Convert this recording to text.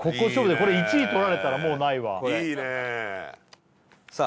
これ１位とられたらもうないわいいねえさあ